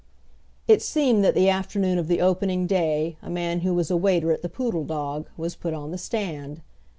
It seemed that the afternoon of the opening day a man who was a waiter at the Poodle Dog was put on the stand.